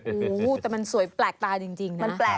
โอ้โหแต่มันสวยแปลกตาจริงนะ